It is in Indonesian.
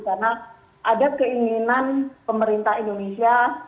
karena ada keinginan pemerintah indonesia